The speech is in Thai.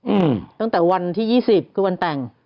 อืมตั้งแต่วันที่๒๐ก็วันแต่ง